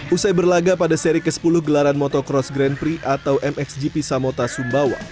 usai berlaga pada seri ke sepuluh gelaran motocross grand prix atau mxgp samota sumbawa